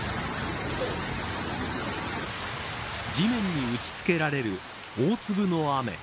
地面に打ち付けられる大粒の雨。